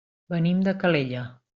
Venim de Calella.